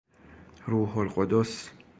روح القدس